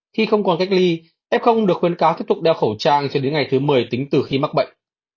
khi không còn cách ly f được khuyến cáo tiếp tục đeo khẩu trang cho đến ngày thứ một mươi tính từ khi mắc bệnh